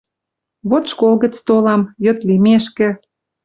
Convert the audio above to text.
Вот школ гӹц толам. Йыд лимешкӹ